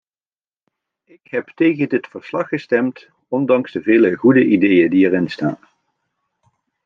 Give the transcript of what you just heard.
Ik heb tegen dit verslag gestemd ondanks de vele goede ideeën die erin staan.